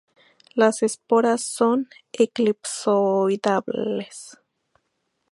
Las esporas son elipsoidales.